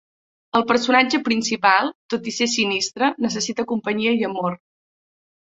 El personatge principal, tot i ser sinistre, necessita companyia i amor.